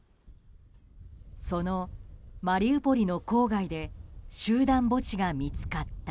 そのマリウポリの郊外で集団墓地が見つかった。